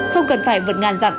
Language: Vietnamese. không cần phải vượt ngàn dặm